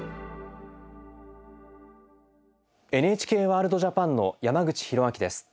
「ＮＨＫワールドＪＡＰＡＮ」の山口寛明です。